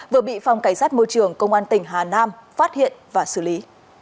vừa bị phòng cảnh sát môi trường công an tỉnh hà nam phát hiện và xử lý